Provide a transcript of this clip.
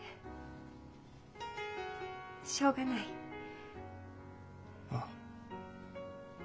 しょうがない？ああ。